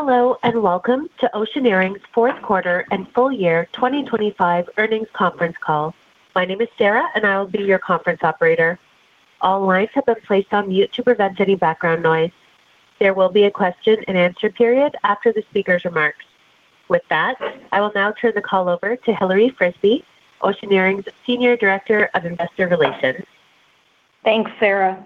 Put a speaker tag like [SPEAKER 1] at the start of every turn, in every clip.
[SPEAKER 1] Hello, and welcome to Oceaneering's fourth quarter and full year 2025 earnings conference call. My name is Sarah, and I will be your conference operator. All lines have been placed on mute to prevent any background noise. There will be a question-and-answer period after the speaker's remarks. With that, I will now turn the call over to Hilary Frisbie, Oceaneering's Senior Director of Investor Relations.
[SPEAKER 2] Thanks, Sarah.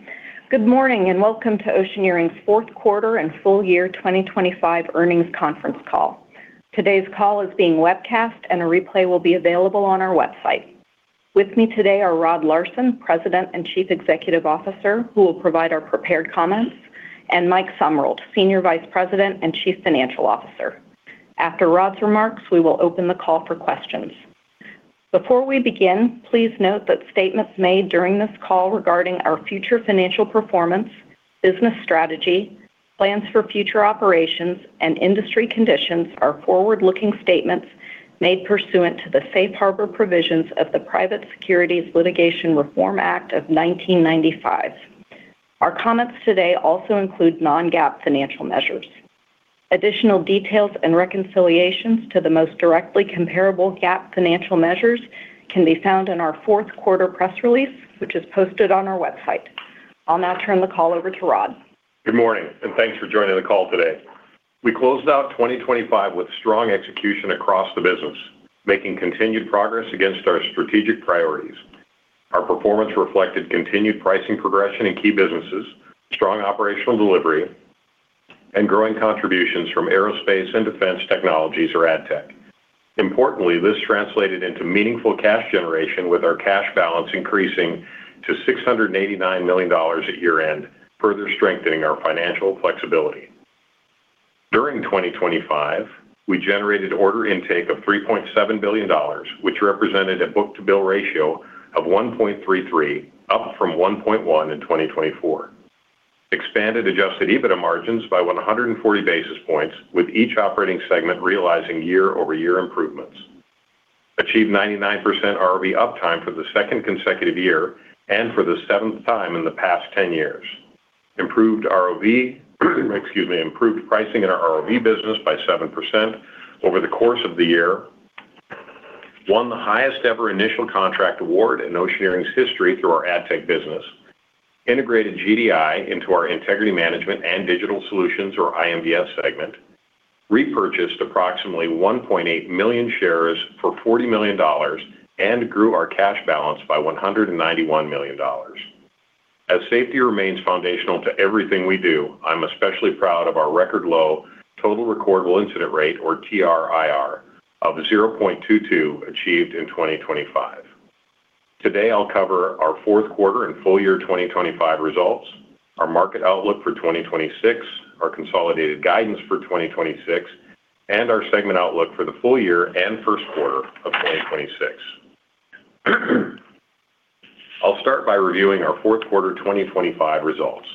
[SPEAKER 2] Good morning, and welcome to Oceaneering's fourth quarter and full year 2025 earnings conference call. Today's call is being webcast, and a replay will be available on our website. With me today are Rod Larson, President and Chief Executive Officer, who will provide our prepared comments, and Mike Sumruld, Senior Vice President and Chief Financial Officer. After Rod's remarks, we will open the call for questions. Before we begin, please note that statements made during this call regarding our future financial performance, business strategy, plans for future operations, and industry conditions are forward-looking statements made pursuant to the Safe Harbor provisions of the Private Securities Litigation Reform Act of 1995. Our comments today also include non-GAAP financial measures. Additional details and reconciliations to the most directly comparable GAAP financial measures can be found in our fourth quarter press release, which is posted on our website. I'll now turn the call over to Rod.
[SPEAKER 3] Good morning, and thanks for joining the call today. We closed out 2025 with strong execution across the business, making continued progress against our strategic priorities. Our performance reflected continued pricing progression in key businesses, strong operational delivery, and growing contributions from Aerospace and Defense Technologies or ADTech. Importantly, this translated into meaningful cash generation, with our cash balance increasing to $689 million at year-end, further strengthening our financial flexibility. During 2025, we generated order intake of $3.7 billion, which represented a book-to-bill ratio of 1.33, up from 1.1 in 2024. Expanded adjusted EBITDA margins by 140 basis points, with each operating segment realizing year-over-year improvements. Achieved 99% ROV uptime for the second consecutive year and for the seventh time in the past 10 years. Improved pricing in our ROV business by 7% over the course of the year. Won the highest ever initial contract award in Oceaneering's history through our ADTech business. Integrated GDI into our Integrity Management and Digital Solutions or IMDS segment. Repurchased approximately 1.8 million shares for $40 million, and grew our cash balance by $191 million. As safety remains foundational to everything we do, I'm especially proud of our record-low total recordable incident rate, or TRIR, of 0.22, achieved in 2025. Today, I'll cover our fourth quarter and full year 2025 results, our market outlook for 2026, our consolidated guidance for 2026, and our segment outlook for the full year and first quarter of 2026. I'll start by reviewing our fourth quarter 2025 results.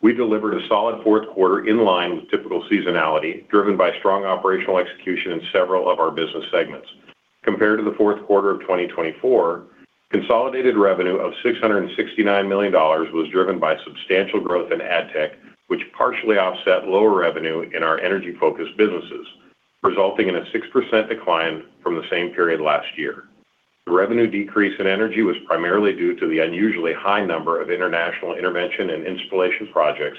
[SPEAKER 3] We delivered a solid fourth quarter in line with typical seasonality, driven by strong operational execution in several of our business segments. Compared to the fourth quarter of 2024, consolidated revenue of $669 million was driven by substantial growth in ADTech, which partially offset lower revenue in our energy-focused businesses, resulting in a 6% decline from the same period last year. The revenue decrease in energy was primarily due to the unusually high number of international intervention and installation projects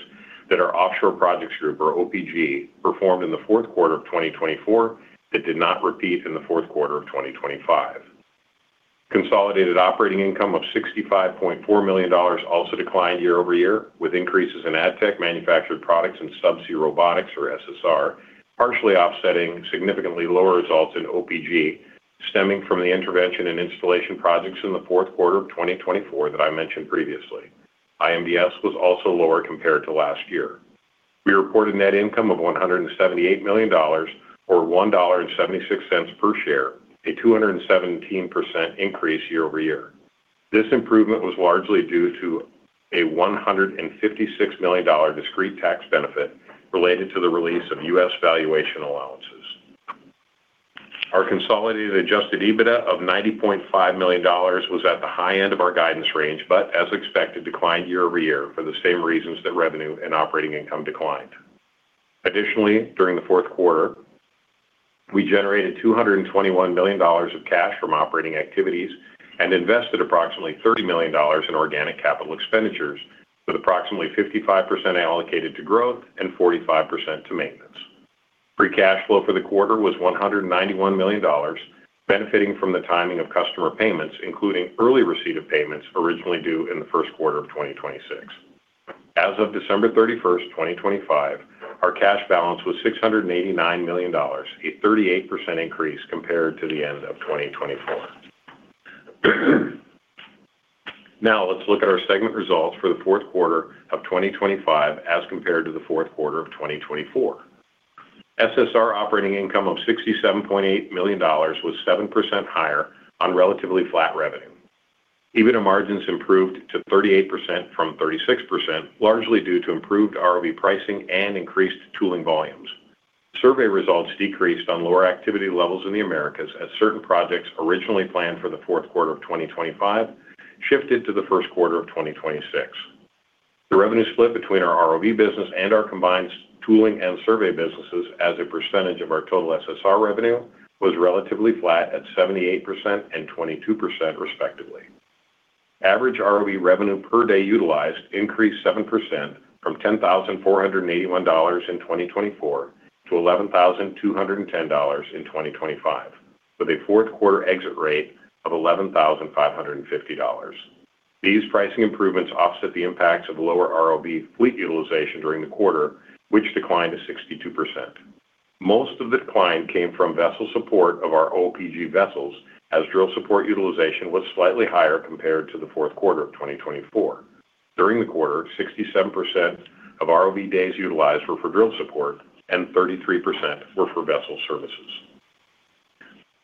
[SPEAKER 3] that our Offshore Projects Group, or OPG, performed in the fourth quarter of 2024 that did not repeat in the fourth quarter of 2025. Consolidated operating income of $65.4 million also declined year-over-year, with increases in ADTech, manufactured products and Subsea Robotics, or SSR, partially offsetting significantly lower results in OPG, stemming from the intervention and installation projects in the fourth quarter of 2024 that I mentioned previously. IMDS was also lower compared to last year. We reported net income of $178 million or $1.76 per share, a 217% increase year-over-year. This improvement was largely due to a $156 million discrete tax benefit related to the release of U.S. valuation allowances. Our consolidated adjusted EBITDA of $90.5 million was at the high end of our guidance range, but as expected, declined year-over-year for the same reasons that revenue and operating income declined. Additionally, during the fourth quarter, we generated $221 million of cash from operating activities and invested approximately $30 million in organic capital expenditures, with approximately 55% allocated to growth and 45% to maintenance. Free cash flow for the quarter was $191 million, benefiting from the timing of customer payments, including early receipt of payments originally due in the first quarter of 2026. As of December 31st, 2025, our cash balance was $689 million, a 38% increase compared to the end of 2024. Now, let's look at our segment results for the fourth quarter of 2025 as compared to the fourth quarter of 2024. SSR operating income of $67.8 million was 7% higher on relatively flat revenue. EBITDA margins improved to 38% from 36%, largely due to improved ROV pricing and increased tooling volumes. Survey results decreased on lower activity levels in the Americas, as certain projects originally planned for the fourth quarter of 2025 shifted to the first quarter of 2026. The revenue split between our ROV business and our combined tooling and survey businesses as a percentage of our total SSR revenue, was relatively flat at 78% and 22%, respectively. Average ROV revenue per day utilized increased 7% from $10,481 in 2024 to $11,210 in 2025, with a fourth quarter exit rate of $11,550. These pricing improvements offset the impacts of lower ROV fleet utilization during the quarter, which declined to 62%. Most of the decline came from vessel support of our OPG vessels, as drill support utilization was slightly higher compared to the fourth quarter of 2024. During the quarter, 67% of ROV days utilized were for drill support and 33% were for vessel services.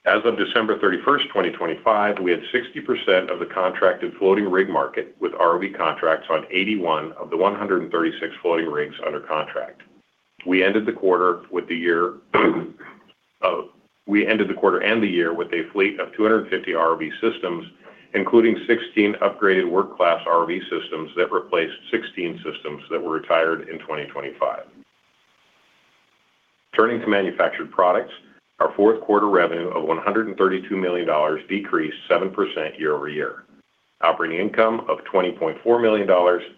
[SPEAKER 3] As of December 31st, 2025, we had 60% of the contracted floating rig market, with ROV contracts on 81 of the 136 floating rigs under contract. We ended the quarter with the year, we ended the quarter and the year with a fleet of 250 ROV systems, including 16 upgraded work class ROV systems that replaced 16 systems that were retired in 2025. Turning to manufactured products, our fourth quarter revenue of $132 million decreased 7% year-over-year. Operating income of $20.4 million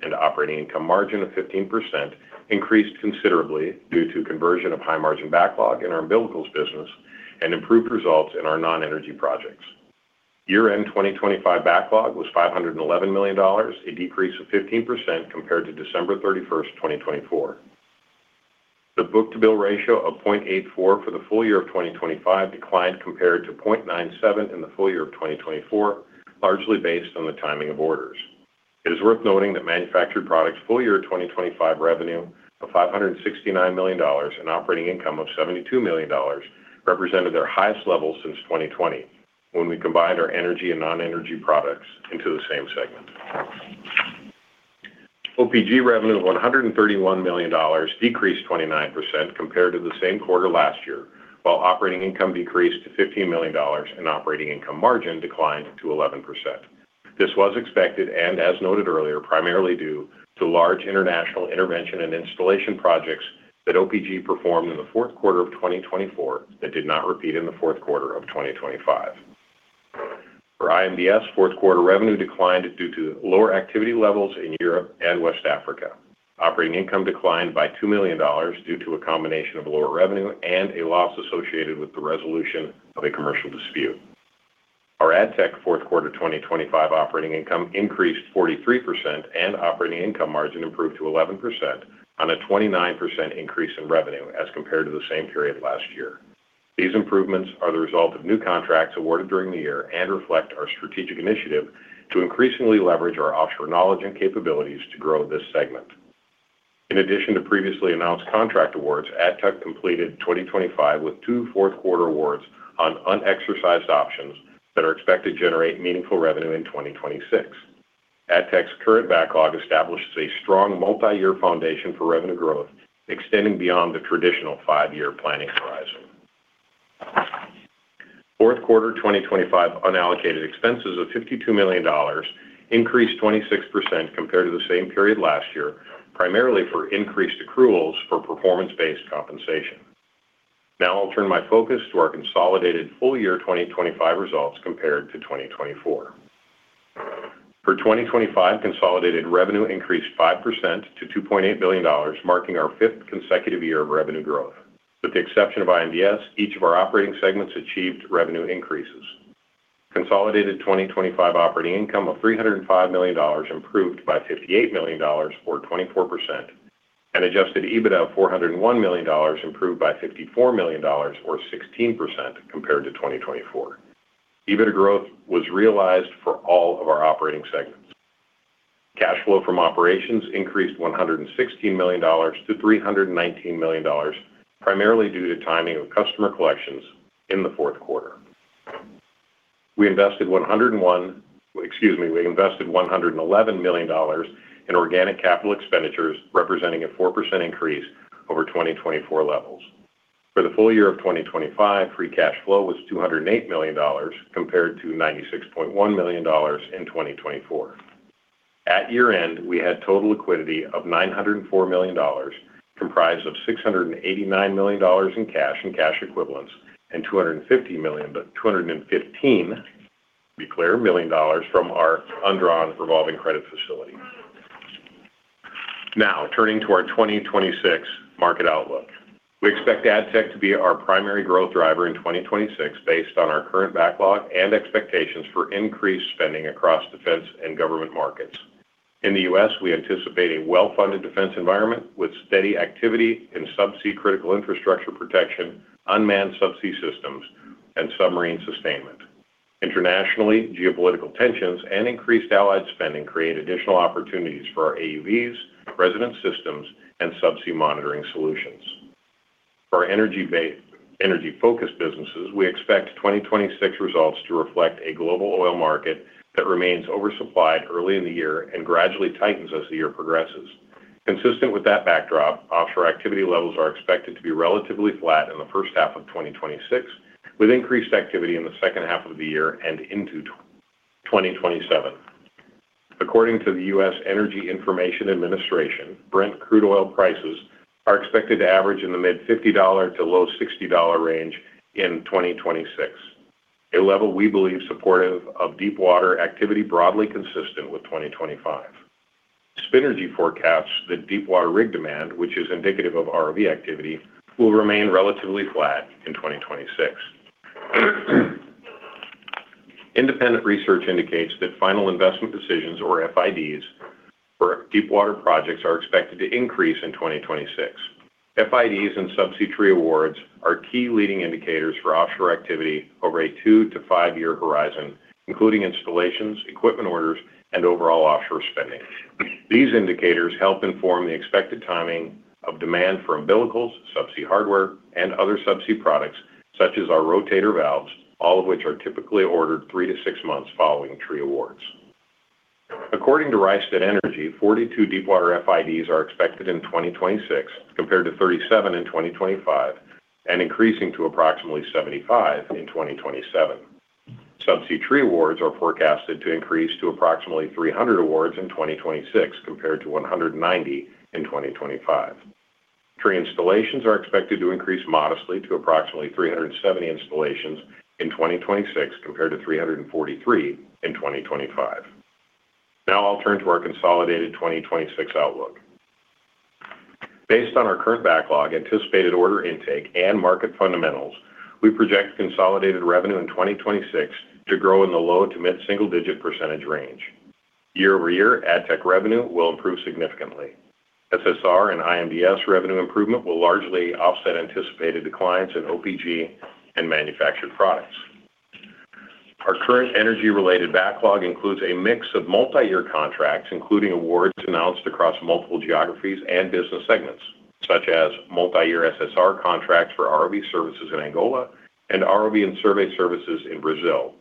[SPEAKER 3] and operating income margin of 15% increased considerably due to conversion of high-margin backlog in our umbilicals business and improved results in our non-energy projects. Year-end 2025 backlog was $511 million, a decrease of 15% compared to December 31st, 2024. The book-to-bill ratio of 0.84 for the full year of 2025 declined compared to 0.97 in the full year of 2024, largely based on the timing of orders. It is worth noting that Manufactured Products full year 2025 revenue of $569 million and operating income of $72 million, represented their highest level since 2020, when we combined our energy and non-energy products into the same segment OPG revenue of $131 million decreased 29% compared to the same quarter last year, while operating income decreased to $15 million and operating income margin declined to 11%. This was expected and as noted earlier, primarily due to large international intervention and installation projects that OPG performed in the fourth quarter of 2024, that did not repeat in the fourth quarter of 2025. For IMDS, fourth quarter revenue declined due to lower activity levels in Europe and West Africa. Operating income declined by $2 million due to a combination of lower revenue and a loss associated with the resolution of a commercial dispute. Our ADTech fourth quarter 2025 operating income increased 43% and operating income margin improved to 11% on a 29% increase in revenue as compared to the same period last year. These improvements are the result of new contracts awarded during the year and reflect our strategic initiative to increasingly leverage our offshore knowledge and capabilities to grow this segment. In addition to previously announced contract awards, ADTech completed 2025 with two fourth-quarter awards on unexercised options that are expected to generate meaningful revenue in 2026. ADTech's current backlog establishes a strong multi-year foundation for revenue growth, extending beyond the traditional 5-year planning horizon. Fourth quarter 2025 unallocated expenses of $52 million increased 26% compared to the same period last year, primarily for increased accruals for performance-based compensation. Now I'll turn my focus to our consolidated full year 2025 results compared to 2024. For 2025, consolidated revenue increased 5% to $2.8 billion, marking our 5th consecutive year of revenue growth. With the exception of IMDS, each of our operating segments achieved revenue increases. Consolidated 2025 operating income of $305 million improved by $58 million, or 24%, and adjusted EBITDA of $401 million, improved by $54 million or 16% compared to 2024. EBITDA growth was realized for all of our operating segments. Cash flow from operations increased $116 million to $319 million, primarily due to timing of customer collections in the fourth quarter. We invested one hundred and one, excuse me, we invested $111 million in organic capital expenditures, representing a 4% increase over 2024 levels. For the full year of 2025, free cash flow was $208 million, compared to $96.1 million in 2024. At year-end, we had total liquidity of $904 million, comprised of $689 million in cash and cash equivalents, and $250 million, but $215 million, be clear, million dollars from our undrawn revolving credit facility. Now, turning to our 2026 market outlook. We expect ADTech to be our primary growth driver in 2026, based on our current backlog and expectations for increased spending across defense and government markets. In the U.S., we anticipate a well-funded defense environment with steady activity in subsea critical infrastructure protection, unmanned subsea systems, and submarine sustainment. Internationally, geopolitical tensions and increased allied spending create additional opportunities for our AUVs, resident systems, and subsea monitoring solutions. For our energy-focused businesses, we expect 2026 results to reflect a global oil market that remains oversupplied early in the year and gradually tightens as the year progresses. Consistent with that backdrop, offshore activity levels are expected to be relatively flat in the first half of 2026, with increased activity in the second half of the year and into 2027. According to the U.S. Energy Information Administration, Brent crude oil prices are expected to average in the mid-$50 to low-$60 range in 2026, a level we believe supportive of deepwater activity, broadly consistent with 2025. Rystad Energy forecasts that deepwater rig demand, which is indicative of ROV activity, will remain relatively flat in 2026. Independent research indicates that final investment decisions, or FIDs, for deepwater projects are expected to increase in 2026. FIDs and subsea tree awards are key leading indicators for offshore activity over a 2- to 5-year horizon, including installations, equipment orders, and overall offshore spending. These indicators help inform the expected timing of demand for umbilicals, subsea hardware, and other subsea products, such as our rotator valves, all of which are typically ordered 3-6 months following tree awards. According to Rystad Energy, 42 deepwater FIDs are expected in 2026, compared to 37 in 2025, and increasing to approximately 75 in 2027. Subsea tree awards are forecasted to increase to approximately 300 awards in 2026, compared to 190 in 2025. Tree installations are expected to increase modestly to approximately 370 installations in 2026, compared to 343 in 2025. Now I'll turn to our consolidated 2026 outlook. Based on our current backlog, anticipated order intake, and market fundamentals, we project consolidated revenue in 2026 to grow in the low-mid single-digit percentage range. Year-over-year, ADTech revenue will improve significantly. SSR and IMDS revenue improvement will largely offset anticipated declines in OPG and Manufactured Products. Our current energy-related backlog includes a mix of multiyear contracts, including awards announced across multiple geographies and business segments, such as multiyear SSR contracts for ROV services in Angola and ROV and survey services in Brazil,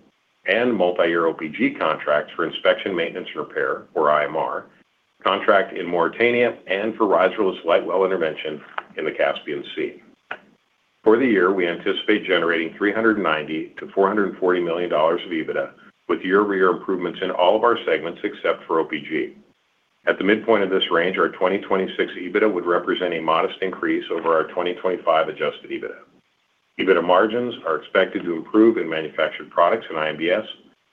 [SPEAKER 3] and multiyear OPG contracts for inspection, maintenance, and repair, or IMR, contract in Mauritania and for riserless light well intervention in the Caspian Sea. For the year, we anticipate generating $390 million-$440 million of EBITDA, with year-over-year improvements in all of our segments except for OPG. At the midpoint of this range, our 2026 EBITDA would represent a modest increase over our 2025 adjusted EBITDA. EBITDA margins are expected to improve in Manufactured Products, and IMDS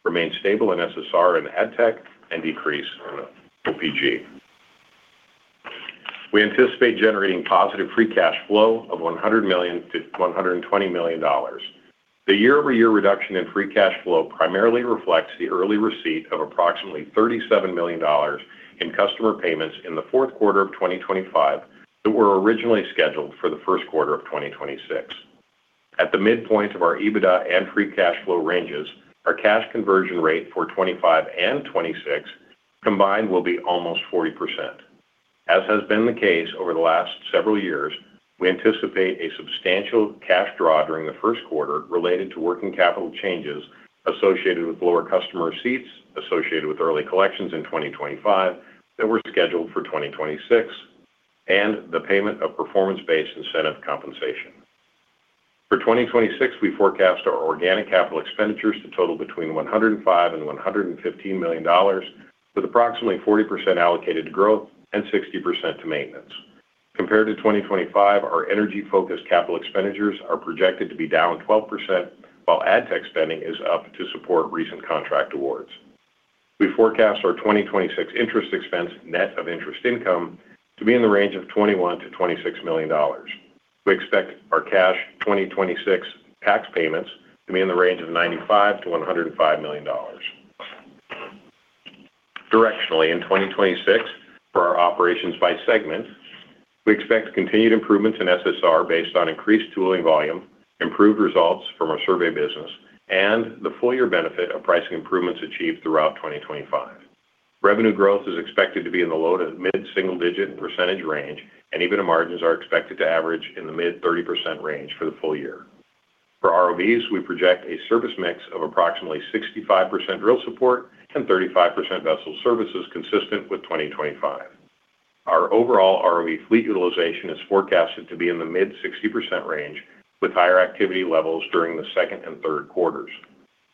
[SPEAKER 3] remain stable in SSR and ADTech, and decrease in OPG. We anticipate generating positive free cash flow of $100 million-$120 million. The year-over-year reduction in free cash flow primarily reflects the early receipt of approximately $37 million in customer payments in the fourth quarter of 2025, that were originally scheduled for the first quarter of 2026. At the midpoint of our EBITDA and free cash flow ranges, our cash conversion rate for 2025 and 2026 combined will be almost 40%. As has been the case over the last several years, we anticipate a substantial cash draw during the first quarter related to working capital changes associated with lower customer receipts, associated with early collections in 2025 that were scheduled for 2026, and the payment of performance-based incentive compensation. For 2026, we forecast our organic capital expenditures to total between $105 million-$115 million, with approximately 40% allocated to growth and 60% to maintenance. Compared to 2025, our energy-focused capital expenditures are projected to be down 12%, while ADTech spending is up to support recent contract awards. We forecast our 2026 interest expense net of interest income to be in the range of $21 million-$26 million. We expect our cash 2026 tax payments to be in the range of $95 million-$105 million. Directionally, in 2026, for our operations by segment, we expect continued improvements in SSR based on increased tooling volume, improved results from our survey business, and the full year benefit of pricing improvements achieved throughout 2025. Revenue growth is expected to be in the low- to mid-single-digit % range, and EBITDA margins are expected to average in the mid-30% range for the full year. For ROVs, we project a service mix of approximately 65% drill support and 35% vessel services, consistent with 2025. Our overall ROV fleet utilization is forecasted to be in the mid-60% range, with higher activity levels during the second and third quarters.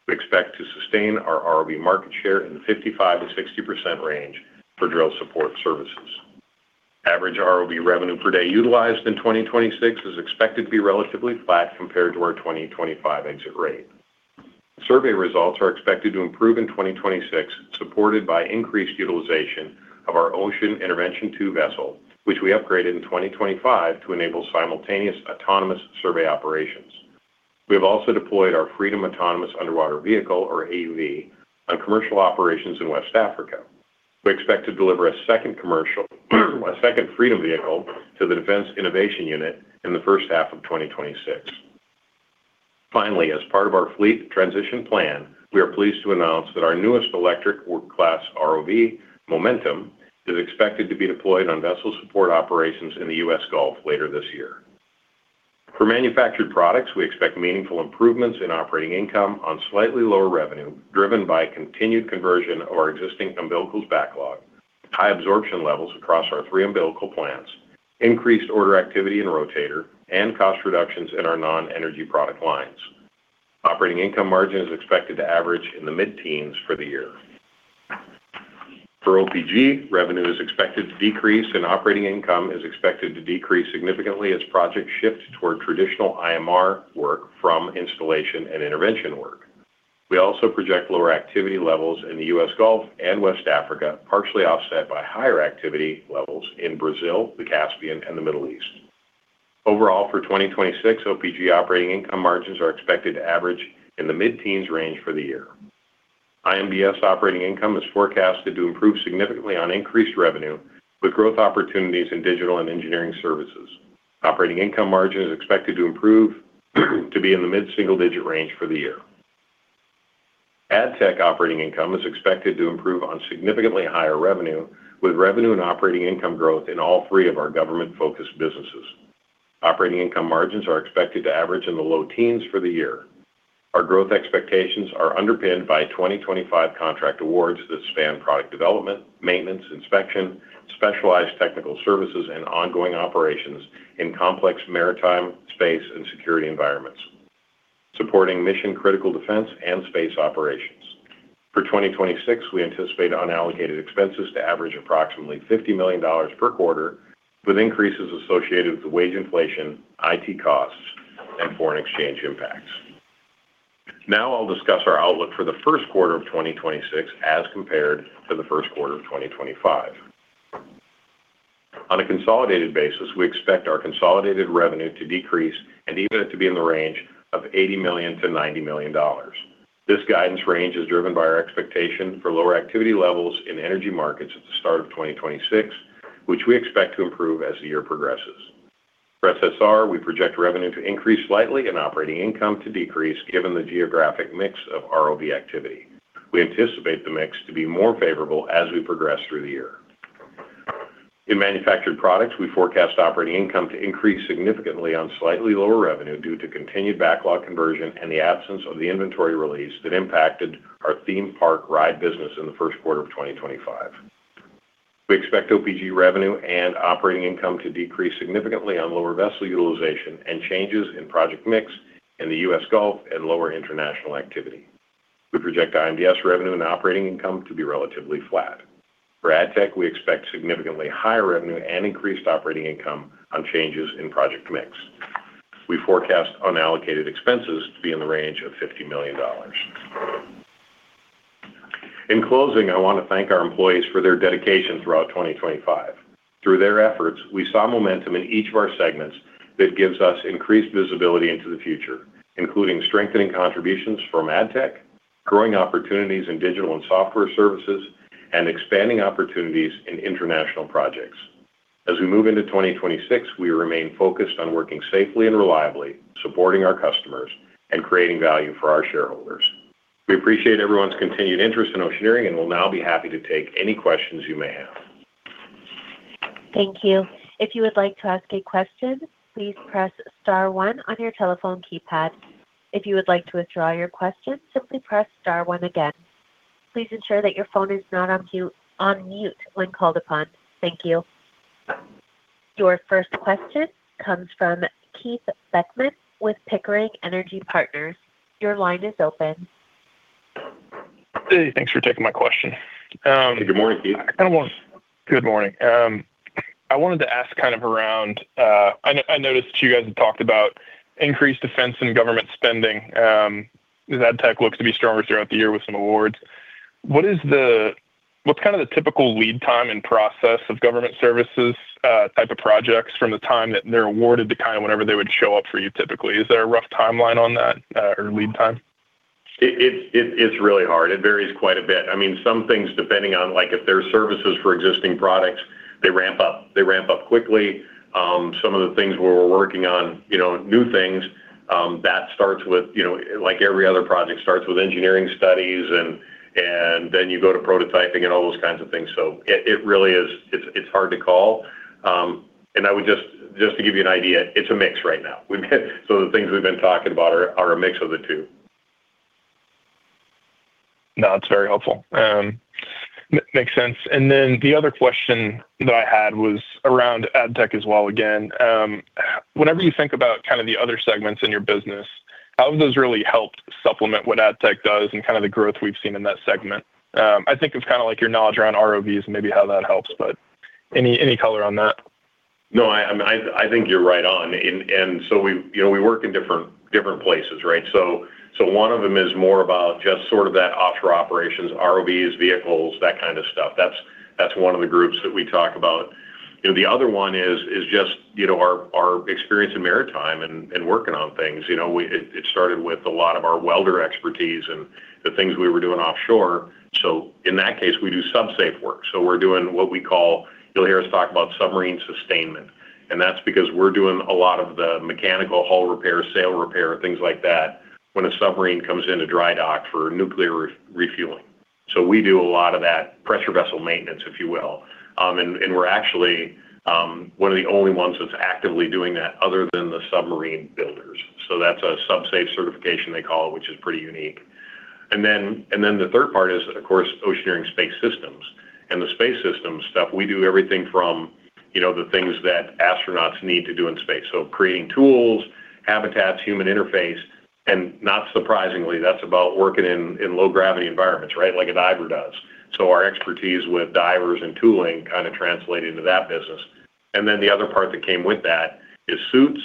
[SPEAKER 3] We expect to sustain our ROV market share in the 55%-60% range for drill support services. Average ROV revenue per day utilized in 2026 is expected to be relatively flat compared to our 2025 exit rate. Survey results are expected to improve in 2026, supported by increased utilization of our Ocean Intervention II vessel, which we upgraded in 2025 to enable simultaneous autonomous survey operations. We have also deployed our Freedom Autonomous Underwater Vehicle, or AUV, on commercial operations in West Africa. We expect to deliver a second commercial, a second Freedom vehicle to the Defense Innovation Unit in the first half of 2026. Finally, as part of our fleet transition plan, we are pleased to announce that our newest electric work-class ROV, Momentum, is expected to be deployed on vessel support operations in the U.S. Gulf later this year. For manufactured products, we expect meaningful improvements in operating income on slightly lower revenue, driven by continued conversion of our existing umbilicals backlog, high absorption levels across our three umbilical plants, increased order activity in rotator, and cost reductions in our non-energy product lines. Operating income margin is expected to average in the mid-teens for the year. For OPG, revenue is expected to decrease, and operating income is expected to decrease significantly as projects shift toward traditional IMR work from installation and intervention work. We also project lower activity levels in the U.S. Gulf and West Africa, partially offset by higher activity levels in Brazil, the Caspian, and the Middle East. Overall, for 2026, OPG operating income margins are expected to average in the mid-teens range for the year. IMDS operating income is forecasted to improve significantly on increased revenue, with growth opportunities in digital and engineering services. Operating income margin is expected to improve to be in the mid-single-digit range for the year. ADTech operating income is expected to improve on significantly higher revenue, with revenue and operating income growth in all three of our government-focused businesses. Operating income margins are expected to average in the low teens for the year. Our growth expectations are underpinned by 2025 contract awards that span product development, maintenance, inspection, specialized technical services, and ongoing operations in complex maritime, space, and security environments, supporting mission-critical defense and space operations. For 2026, we anticipate unallocated expenses to average approximately $50 million per quarter, with increases associated with the wage inflation, IT costs, and foreign exchange impacts. Now I'll discuss our outlook for the first quarter of 2026 as compared to the first quarter of 2025. On a consolidated basis, we expect our consolidated revenue to decrease and EBITDA to be in the range of $80 million-$90 million. This guidance range is driven by our expectation for lower activity levels in energy markets at the start of 2026, which we expect to improve as the year progresses. For SSR, we project revenue to increase slightly and operating income to decrease, given the geographic mix of ROV activity. We anticipate the mix to be more favorable as we progress through the year. In Manufactured Products, we forecast operating income to increase significantly on slightly lower revenue due to continued backlog conversion and the absence of the inventory release that impacted our theme park ride business in the first quarter of 2025. We expect OPG revenue and operating income to decrease significantly on lower vessel utilization and changes in project mix in the U.S. Gulf and lower international activity. We project IMDS revenue and operating income to be relatively flat. For ADTech, we expect significantly higher revenue and increased operating income on changes in project mix. We forecast unallocated expenses to be in the range of $50 million. In closing, I want to thank our employees for their dedication throughout 2025. Through their efforts, we saw momentum in each of our segments that gives us increased visibility into the future, including strengthening contributions from ADTech, growing opportunities in digital and software services, and expanding opportunities in international projects. As we move into 2026, we remain focused on working safely and reliably, supporting our customers, and creating value for our shareholders. We appreciate everyone's continued interest in Oceaneering and will now be happy to take any questions you may have.
[SPEAKER 1] Thank you. If you would like to ask a question, please press star one on your telephone keypad. If you would like to withdraw your question, simply press star one again. Please ensure that your phone is not on mute when called upon. Thank you. Your first question comes from Keith Beckman with Pickering Energy Partners. Your line is open.
[SPEAKER 4] Hey, thanks for taking my question.
[SPEAKER 3] Good morning, Keith.
[SPEAKER 4] Good morning. I wanted to ask kind of around. I noticed you guys had talked about increased defense and government spending, ADTech looks to be stronger throughout the year with some awards. What is the what's kind of the typical lead time and process of government services type of projects, from the time that they're awarded to kind of whenever they would show up for you typically? Is there a rough timeline on that, or lead time?
[SPEAKER 3] It's really hard. It varies quite a bit. I mean, some things, depending on, like, if they're services for existing products, they ramp up quickly. Some of the things where we're working on, you know, new things, that starts with, you know, like every other project, engineering studies and then you go to prototyping and all those kinds of things. So it really is hard to call. And I would just to give you an idea, it's a mix right now. So the things we've been talking about are a mix of the two.
[SPEAKER 4] No, that's very helpful. Makes sense. And then the other question that I had was around ADTech as well. Again, whenever you think about kind of the other segments in your business, how have those really helped supplement what ADTech does and kind of the growth we've seen in that segment? I think it's kind of like your knowledge around ROVs and maybe how that helps, but any, any color on that?
[SPEAKER 3] No, I think you're right on. And so we, you know, we work in different places, right? So one of them is more about just sort of that offshore operations, ROVs, vehicles, that kind of stuff. That's one of the groups that we talk about. You know, the other one is just, you know, our experience in maritime and working on things. You know, it started with a lot of our welder expertise and the things we were doing offshore. So in that case, we do SUBSAFE work. So we're doing what we call, you'll hear us talk about submarine sustainment, and that's because we're doing a lot of the mechanical hull repair, sail repair, things like that when a submarine comes in to dry dock for nuclear refueling. So we do a lot of that pressure vessel maintenance, if you will. We're actually one of the only ones that's actively doing that other than the submarine builders. So that's a SUBSAFE certification they call it, which is pretty unique. And then the third part is, of course, Oceaneering Space Systems. And the space systems stuff, we do everything from, you know, the things that astronauts need to do in space. So creating tools, habitats, human interface, and not surprisingly, that's about working in low gravity environments, right? Like a diver does. So our expertise with divers and tooling kind of translated into that business. And then the other part that came with that is suits,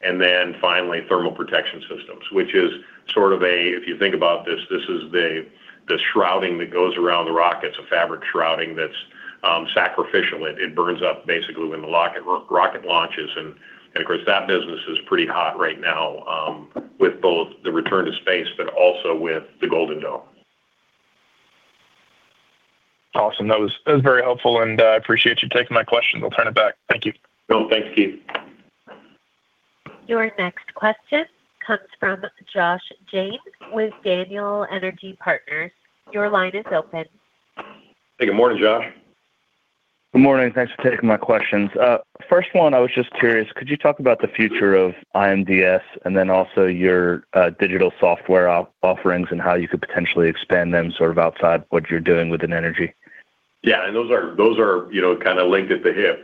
[SPEAKER 3] and then finally, thermal protection systems, which is sort of a, if you think about this, this is the shrouding that goes around the rockets, a fabric shrouding that's sacrificial. It burns up basically when the rocket launches, and of course, that business is pretty hot right now with both the return to space, but also with the Golden Dome.
[SPEAKER 4] Awesome. That was, that was very helpful, and I appreciate you taking my questions. I'll turn it back. Thank you.
[SPEAKER 3] Cool. Thanks, Keith.
[SPEAKER 1] Your next question comes from Josh James with Daniel Energy Partners. Your line is open.
[SPEAKER 3] Hey, good morning, Josh.
[SPEAKER 5] Good morning. Thanks for taking my questions. First one, I was just curious, could you talk about the future of IMDS and then also your digital software offerings and how you could potentially expand them sort of outside what you're doing within energy?
[SPEAKER 3] Yeah, and those are, those are, you know, kind of linked at the hip.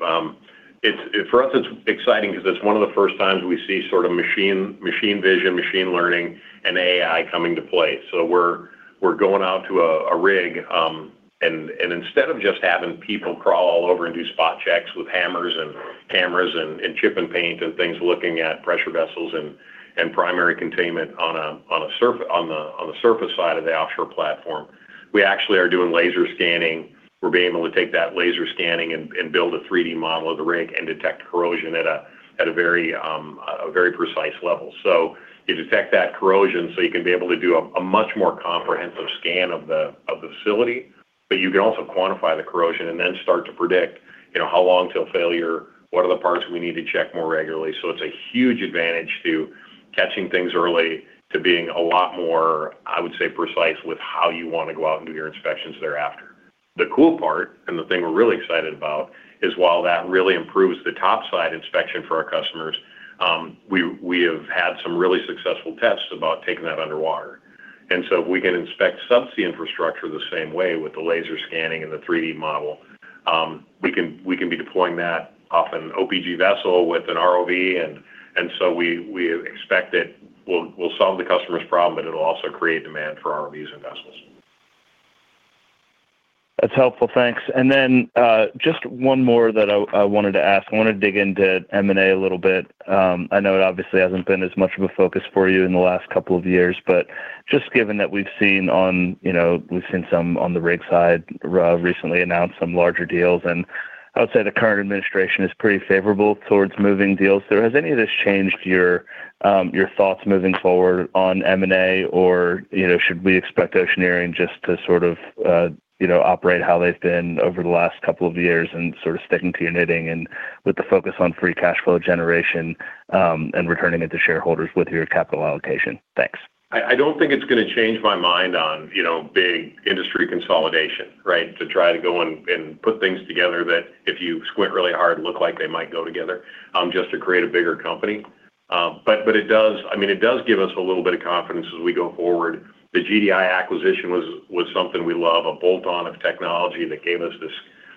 [SPEAKER 3] For us, it's exciting because it's one of the first times we see sort of machine, machine vision, machine learning, and AI coming to play. So we're, we're going out to a, a rig, and, and instead of just having people crawl all over and do spot checks with hammers and cameras and, and chip and paint and things, looking at pressure vessels and, and primary containment on a, on a surface side of the offshore platform, we actually are doing laser scanning. We're being able to take that laser scanning and, and build a 3D model of the rig and detect corrosion at a, at a very, a very precise level. So you detect that corrosion, so you can be able to do a much more comprehensive scan of the facility, but you can also quantify the corrosion and then start to predict, you know, how long till failure, what are the parts we need to check more regularly. So it's a huge advantage to catching things early, to being a lot more, I would say, precise with how you want to go out and do your inspections thereafter. The cool part, and the thing we're really excited about, is while that really improves the top side inspection for our customers, we have had some really successful tests about taking that underwater. So if we can inspect subsea infrastructure the same way with the laser scanning and the 3D model, we can be deploying that off an OPG vessel with an ROV, and so we expect it will solve the customer's problem, but it'll also create demand for our ROVs and vessels.
[SPEAKER 5] That's helpful. Thanks. Then, just one more that I wanted to ask. I want to dig into M&A a little bit. I know it obviously hasn't been as much of a focus for you in the last couple of years, but just given that we've seen, you know, some on the rig side recently announced some larger deals, and I would say the current administration is pretty favorable towards moving deals. So has any of this changed your thoughts moving forward on M&A? Or, you know, should we expect Oceaneering just to sort of, you know, operate how they've been over the last couple of years and sort of sticking to your knitting and with the focus on free cash flow generation, and returning it to shareholders with your capital allocation? Thanks.
[SPEAKER 3] I don't think it's gonna change my mind on, you know, big industry consolidation, right? To try to go and put things together that if you squint really hard, look like they might go together, just to create a bigger company. But it does, I mean, it does give us a little bit of confidence as we go forward. The GDi acquisition was something we love, a bolt-on of technology that gave us this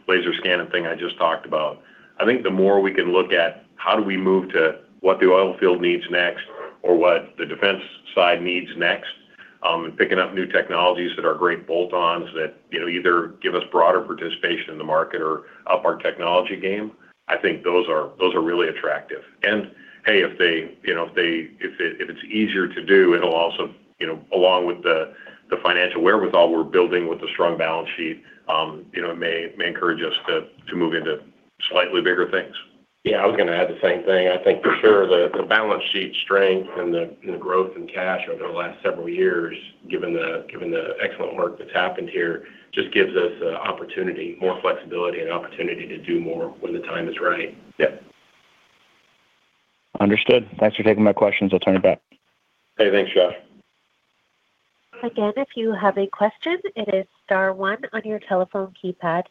[SPEAKER 3] laser scanning thing I just talked about. I think the more we can look at how do we move to what the oil field needs next or what the defense side needs next, and picking up new technologies that are great bolt-ons that, you know, either give us broader participation in the market or up our technology game, I think those are really attractive. Hey, if they, you know, if it's easier to do, it'll also, you know, along with the financial wherewithal we're building with a strong balance sheet, you know, it may encourage us to move into slightly bigger things.
[SPEAKER 6] Yeah, I was gonna add the same thing. I think for sure, the balance sheet strength and the growth in cash over the last several years, given the excellent work that's happened here, just gives us an opportunity, more flexibility and opportunity to do more when the time is right.
[SPEAKER 3] Yeah.
[SPEAKER 5] Understood. Thanks for taking my questions. I'll turn it back.
[SPEAKER 3] Hey, thanks, Josh.
[SPEAKER 1] Again, if you have a question, it is star one on your telephone keypad.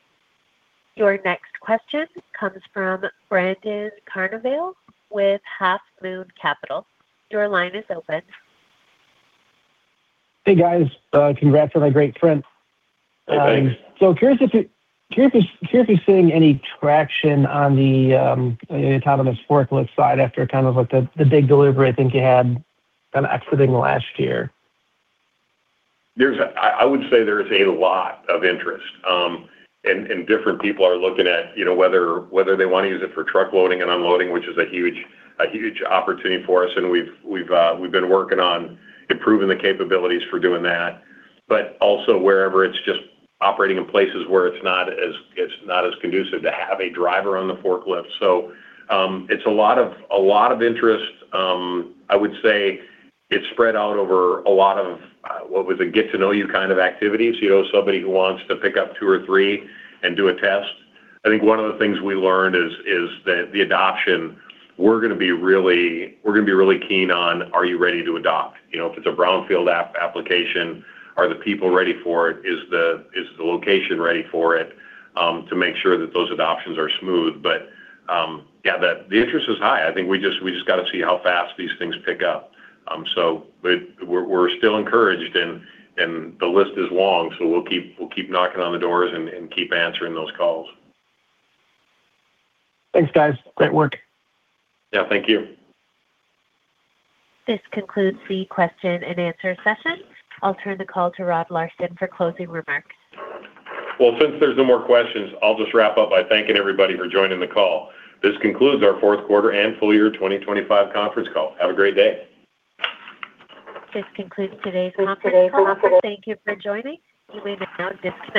[SPEAKER 1] Your next question comes from Brandon Carnovale with Half Moon Capital. Your line is open.
[SPEAKER 7] Hey, guys. Congrats on a great trend.
[SPEAKER 3] Hey, thanks.
[SPEAKER 7] So curious if you're seeing any traction on the autonomous forklift side after kind of like the big delivery I think you had kind of exiting last year.
[SPEAKER 3] There's I would say there is a lot of interest, and different people are looking at, you know, whether they want to use it for truck loading and unloading, which is a huge opportunity for us, and we've been working on improving the capabilities for doing that. But also wherever it's just operating in places where it's not as conducive to have a driver on the forklift. So, it's a lot of interest. I would say it's spread out over a lot of what was a get to know you kind of activities, you know, somebody who wants to pick up two or three and do a test. I think one of the things we learned is that the adoption, we're gonna be really keen on, are you ready to adopt? You know, if it's a brownfield app application, are the people ready for it? Is the location ready for it? To make sure that those adoptions are smooth. But, yeah, the interest is high. I think we just got to see how fast these things pick up. So we're still encouraged, and the list is long, so we'll keep knocking on the doors and keep answering those calls.
[SPEAKER 7] Thanks, guys. Great work.
[SPEAKER 3] Yeah, thank you.
[SPEAKER 1] This concludes the question and answer session. I'll turn the call to Rod Larson for closing remarks.
[SPEAKER 3] Well, since there's no more questions, I'll just wrap up by thanking everybody for joining the call. This concludes our fourth quarter and full year 2025 conference call. Have a great day.
[SPEAKER 1] This concludes today's conference call. Thank you for joining. You may now disconnect.